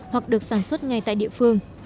hoặc được sản xuất ngay tại địa phương